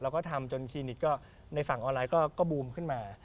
แล้วก็ทำจนคลินิกก็ในฝั่งออนไลน์ก็บูมขึ้นมา